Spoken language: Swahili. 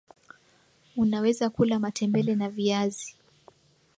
unaweza kula matembele na viazi